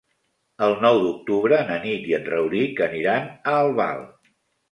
El nou d'octubre na Nit i en Rauric aniran a Albal.